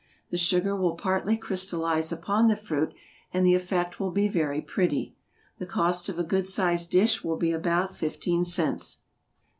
The sugar will partly crystalize upon the fruit, and the effect will be very pretty. The cost of a good sized dish will be about fifteen cents.